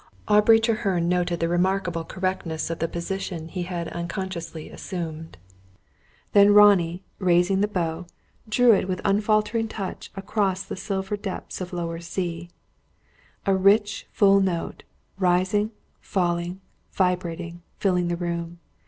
Aubrey Treherne noted the remarkable correctness of the position he had unconsciously assumed. Then Ronnie, raising the bow, drew it, with unfaltering touch, across the silver depths of lower C. A rich, full note, rising, falling, vibrating, filled the room.